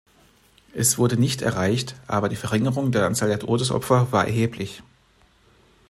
Es wurde nicht erreicht, aber die Verringerung der Anzahl der Todesopfer war erheblich.